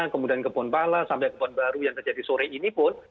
kemudian kepon pala sampai kepon baru yang terjadi sore ini pun